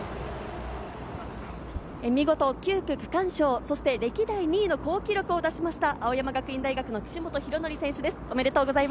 見事９区、区間賞、歴代２位の好記録を出しました、青山学院大学の岸本大紀選手です。